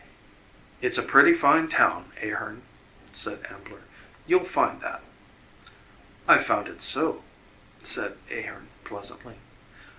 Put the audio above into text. "It's a pretty fine town, Ahearn," said Ambler, "you'll find that." "I've found it so," said Ahearn pleasantly.